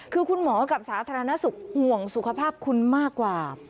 คือคุณหมอกับสาธารณสุขห่วงสุขภาพคุณมากกว่า